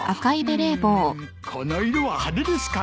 うーんこの色は派手ですかな？